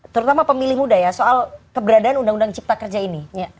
terutama pemilih muda ya soal keberadaan undang undang cipta kerja ini